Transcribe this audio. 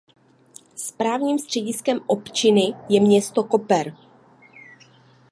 Správním střediskem občiny je město Koper.